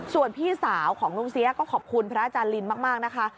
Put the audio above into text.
ส่วนพี่สาวของลุงเสียก็ขอบคุณพระอาจารย์ลินมากนะคะ